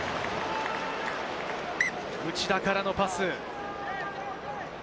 内田からのパス。